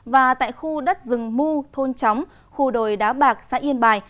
và tại khu đất rừng mưu thôn chóng khu đồi đá bạc xã yên bài